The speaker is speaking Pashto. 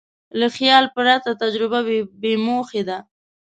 له خیال پرته تجربه بېموخې ده.